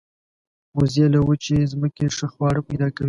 وزې له وچې ځمکې ښه خواړه پیدا کوي